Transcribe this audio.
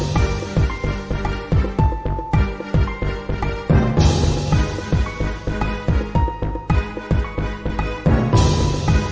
ติดตามต่อไป